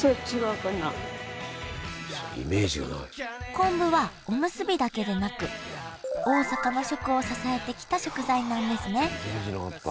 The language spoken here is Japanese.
昆布はおむすびだけでなく大阪の食を支えてきた食材なんですね